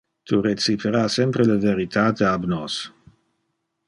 Tu recipera sempre le veritate ab nos.